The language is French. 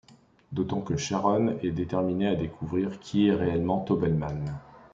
D'autant que Sharon est déterminée à découvrir qui est réellement Taubelman.